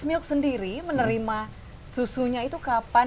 milk sendiri menerima susunya itu kapan